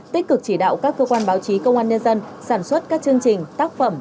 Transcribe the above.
tích cực chỉ đạo các cơ quan báo chí công an nhân dân sản xuất các chương trình tác phẩm